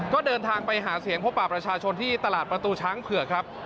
ก็เดินทางไปหาเสียงพบป่าประชาชนที่ตลาดประตูช้างเผือกครับ